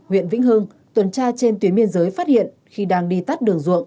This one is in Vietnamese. huyện vĩnh hưng tuần tra trên tuyến biên giới phát hiện khi đang đi tắt đường ruộng